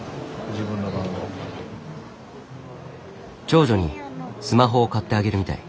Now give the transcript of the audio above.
長女にスマホを買ってあげるみたい。